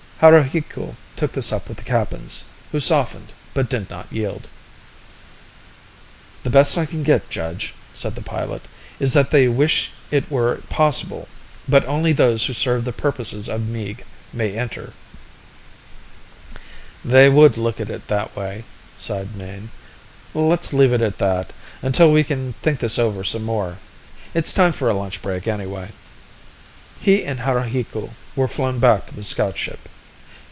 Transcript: Haruhiku took this up with the Kappans, who softened but did not yield. "The best I can get, Judge," said the pilot, "is that they wish it were possible but only those who serve the purposes of Meeg may enter." "They would look at it that way," sighed Mayne. "Let's leave it at that, until we can think this over some more. It's time for a lunch break anyway." He and Haruhiku were flown back to the scout ship.